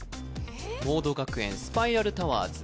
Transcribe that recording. モード学園スパイラルタワーズ